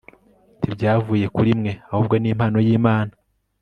ntibyavuye kuri mwe, ahubwo n'impano y'imana